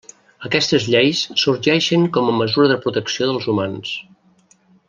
Aquestes lleis sorgeixen com a mesura de protecció dels humans.